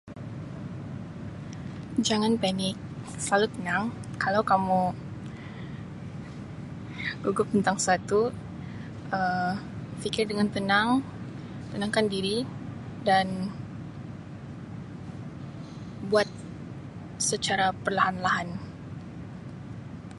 Jangan panik selalu tenang kalau kamu gugup tentang sesuatu Um fikir dengan tenang tenangkan diri dan buat secara perlahan-lahan.